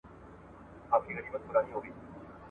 • يا نه کم، چي کم نو د خره کم.